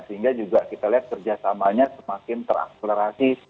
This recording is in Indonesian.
sehingga juga kita lihat kerjasamanya semakin terakselerasi